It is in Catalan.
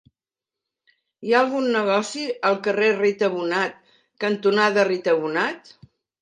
Hi ha algun negoci al carrer Rita Bonnat cantonada Rita Bonnat?